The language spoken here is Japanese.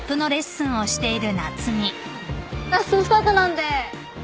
ラストスパートなんで。